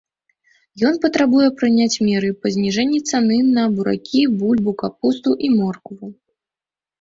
Ён патрабуе прыняць меры па зніжэнні цаны на буракі, бульбу, капусту і моркву.